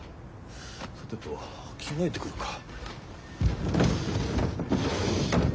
さてと着替えてくるか。